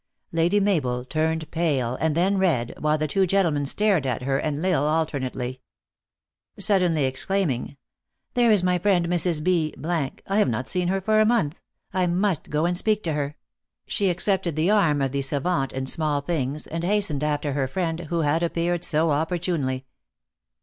Lady Mabel turned pale, and then red, while the two gentlemen stared at her and L Isle alternately. Suddenly exclaiming, "There is my friend, Mrs. B . I have not seen her for a month. I must go and speak to her," she accepted the arm of the savant in small things, and hastened after her friend, who had appeared so opportunely.